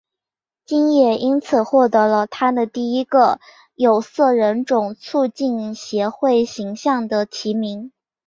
金也因此获得了她的第一个有色人种促进协会形象奖的提名。